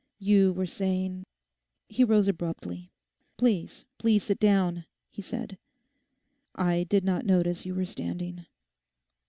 You were saying—' He rose abruptly. 'Please, please sit down,' he said; 'I did not notice you were standing.